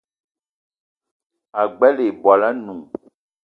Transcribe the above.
Ag͡bela ibwal anoun